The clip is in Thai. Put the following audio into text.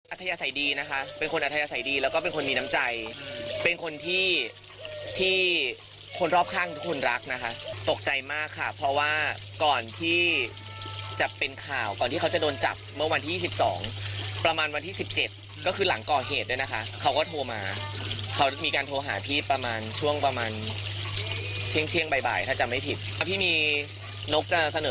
ทยาศัยดีนะคะเป็นคนอัธยาศัยดีแล้วก็เป็นคนมีน้ำใจเป็นคนที่ที่คนรอบข้างทุกคนรักนะคะตกใจมากค่ะเพราะว่าก่อนที่จะเป็นข่าวก่อนที่เขาจะโดนจับเมื่อวันที่๒๒ประมาณวันที่สิบเจ็ดก็คือหลังก่อเหตุเนี่ยนะคะเขาก็โทรมาเขามีการโทรหาพี่ประมาณช่วงประมาณเที่ยงเที่ยงบ่ายถ้าจำไม่ผิดพี่มีนกจะเสนอ